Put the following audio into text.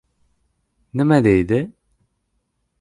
— Nima deydi?